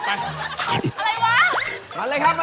ให้หมดเลยพี่ดาวตัดไป